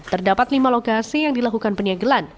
terdapat lima lokasi yang dilakukan penyegelan